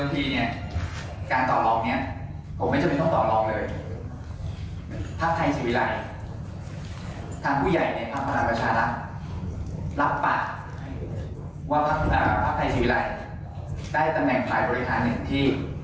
ภาพไทยชีวิตไลน์ได้ตำแหน่งภายบริษัทหนึ่งที่